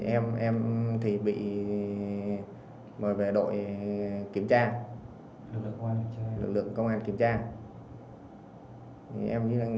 em em thì bị mời về đội kiểm tra lực lượng công an kiểm tra